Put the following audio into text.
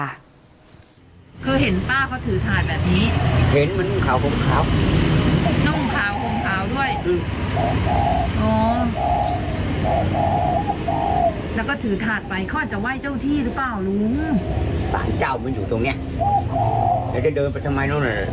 อันนี้เป็นสามประสาททางในไง